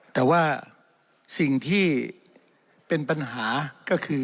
แต่ว่าสิ่งที่เป็นปัญหาก็คือ